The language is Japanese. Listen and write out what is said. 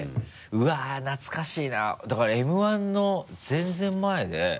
うわっ懐かしいなだからＭー１の全然前で。